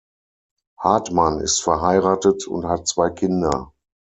Hartmann ist verheiratet und hat zwei Kinder.